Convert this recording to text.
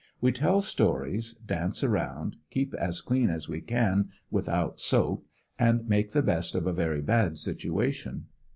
We tell stories, dance around, keep as clean as we can without soap and make the best of a very bad situation.